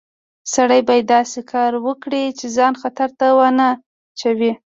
سړی باید داسې کار وکړي چې ځان خطر ته ونه اچوي